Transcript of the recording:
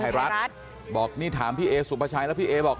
ที่อาจบอกเพียสุนประชายแล้วพี่เอ๊บอก